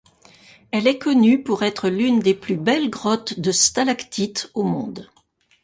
Elle est connue pour être l'une des plus belles grottes de stalactites au monde.